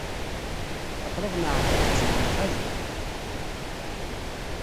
Aql-aɣ neɛreq deg ttelt lxali.